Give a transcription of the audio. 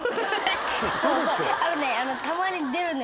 あのね。